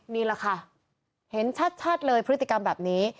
นี่แหละค่ะเห็นชัดเลยพฤติกรรมแบบนี้